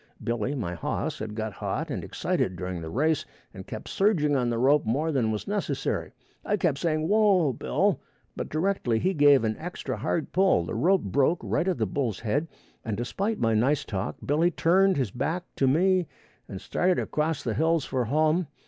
Billy, my hoss, had got hot and excited during the race and kept surging on the rope more than was necessary. I kept saying, "Whoa, Bill," but directly he give an extra hard pull, the rope broke right at the bull's head, and despite my nice talk, Billy turned his back to me and started across the hills for home.